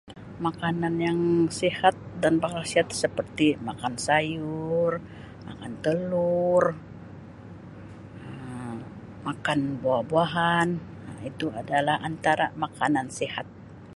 Makanan yang sihat dan berkhasiat seperti makan sayur, makan telur Um makan buah-buahan Um itu adalah antara makanan sihat.